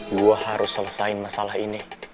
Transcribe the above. gue harus selesaiin masalah ini